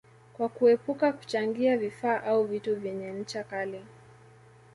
kwa kuepuka kuchangia vifaa au vitu vyenye ncha kali